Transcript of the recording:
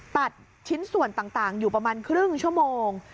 ตัดชิ้นส่วนต่างอยู่ประมาณครึ่งชั่วโมง